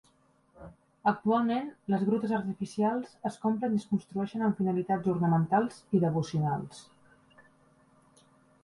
Actualment, les grutes artificials es compren i es construeixen amb finalitats ornamentals i devocionals.